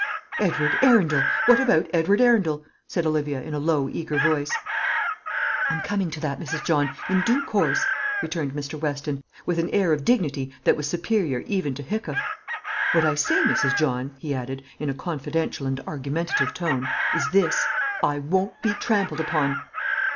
"Edward Arundel! what about Edward Arundel?" said Olivia, in a low eager voice. "I'm coming to that, Mrs. John, in due c'course," returned Mr. Weston, with an air of dignity that was superior even to hiccough. "What I say, Mrs. John," he added, in a confidential and argumentative tone, "is this: _I won't be trampled upon!